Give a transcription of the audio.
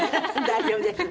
大丈夫です。